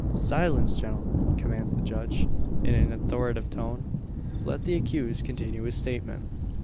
"Silence, gentlemen!" commands the judge, in an authoritative tone. "Let the accused continue his statement."